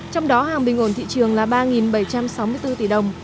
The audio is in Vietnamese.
trong đó hàng bình ổn thị trường là ba bảy trăm sáu mươi bốn tỷ đồng